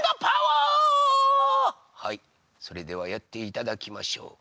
はいそれではやっていただきましょう。